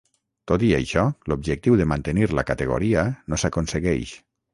Tot i això, l’objectiu de mantenir la categoria no s’aconsegueix.